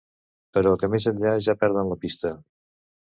Però que més enllà ja perden la pista.